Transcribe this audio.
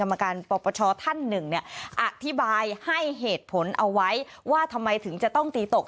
อักฆิบายให้เหตุผลเอาไว้ว่าทำไมถึงจะต้องตีตก